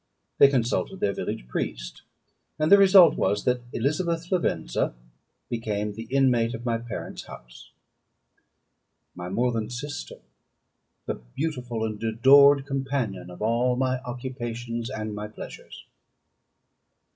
They consulted their village priest, and the result was, that Elizabeth Lavenza became the inmate of my parents' house my more than sister the beautiful and adored companion of all my occupations and my pleasures.